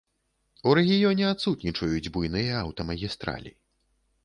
У рэгіёне адсутнічаюць буйныя аўтамагістралі.